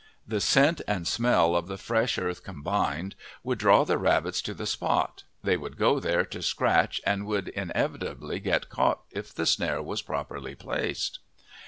The scent and smell of the fresh earth combined would draw the rabbits to the spot; they would go there to scratch and would inevitably get caught if the snare was properly placed.